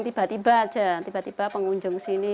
tiba tiba aja tiba tiba pengunjung sini